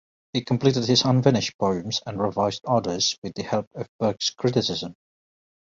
He completed his unfinished poems and revised others with the help of Burke's criticism.